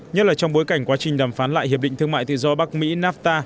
nhất là trong bối cảnh quá trình đàm phán lại hiệp định thương mại tự do bắc mỹ nafta